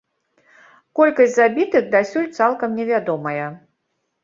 Колькасць забітых дасюль цалкам не вядомая.